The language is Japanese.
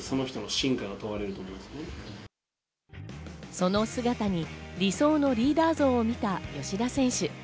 その姿に理想のリーダー像を見た吉田選手。